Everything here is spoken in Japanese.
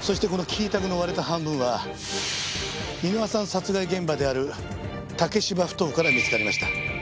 そしてこのキータグの割れた半分は箕輪さん殺害現場である竹芝埠頭から見つかりました。